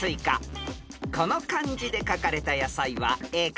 ［この漢字で書かれた野菜はＡかＢどっち？］